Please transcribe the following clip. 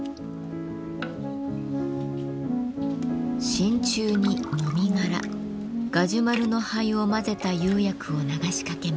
真鍮に籾殻ガジュマルの灰を混ぜた釉薬を流しかけます。